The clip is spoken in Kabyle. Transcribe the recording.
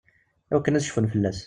Iwakken ad cfun fell-as.